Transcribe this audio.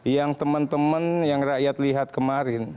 yang teman teman yang rakyat lihat kemarin